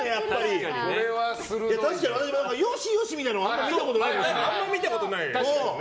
確かに、よしよしみたいなのあんまり見たことないかも。